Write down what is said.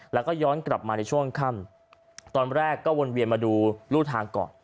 แล้วก็ย้อนกลับมาในช่วงค่ำตอนแรกก็วนเวียนมาดูรูทางก่อน